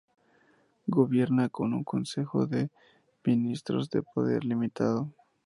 Gobierna con un consejo de ministros de poder limitado.